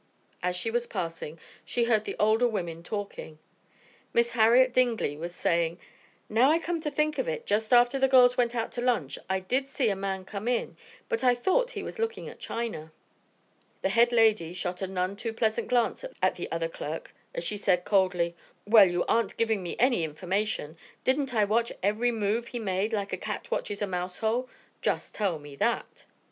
As she was passing she heard the older women talking. Miss Harriet Dingley was saying, "Now I come to think of it, just after the girls went out to lunch, I did see a man come in, but I thought he was looking at china." The head lady shot a none too pleasant glance at the other clerk as she said coldly, "Well, you aren't giving me any information. Didn't I watch every move he made like a cat watches a mouse hole? Just tell me that!"